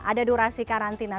ada durasi karantina